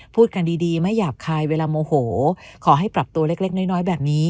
พูดกันดีไม่หยาบคายเวลาโมโหขอให้ปรับตัวเล็กน้อยแบบนี้